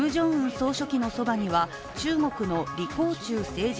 総書記のそばには中国の李鴻忠政治